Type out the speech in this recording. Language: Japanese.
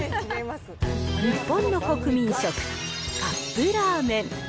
日本の国民食、カップラーメン。